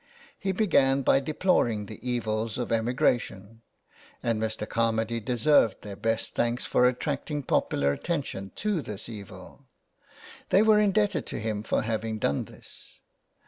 He began by deploring the evils of emigration, and Mr. Carmady deserved their best thanks for attracting popular attention to this evil. They were indebted to him for having done this.